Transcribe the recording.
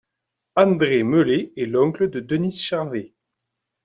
André Melet est l'oncle de Denis Charvet.